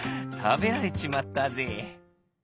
たべられちまったぜ」。